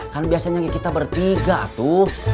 kan biasanya kita bertiga tuh